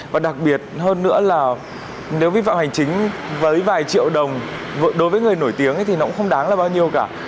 và đặc biệt hơn nữa là nếu vi phạm hành chính với vài triệu đồng đối với người nổi tiếng thì nó cũng không đáng là bao nhiêu cả